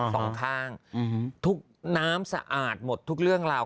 สองข้างอืมทุกน้ำสะอาดหมดทุกเรื่องราว